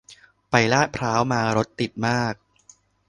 ไปลาดพร้าวมา รถติดมาก